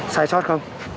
sai sót không